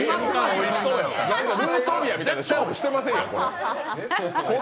ルートビアみたいな勝負してませんやん。